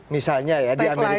misalnya ya di amerika